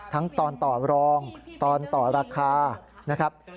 ตอนต่อรองตอนต่อราคานะครับ